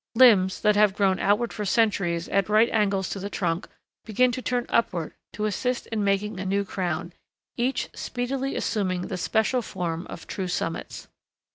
Limbs that have grown outward for centuries at right angles to the trunk begin to turn upward to assist in making a new crown, each speedily assuming the special form of true summits.